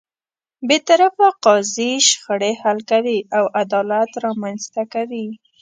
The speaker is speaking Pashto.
بېطرفه قاضی شخړې حل کوي او عدالت رامنځته کوي.